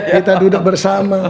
kita duduk bersama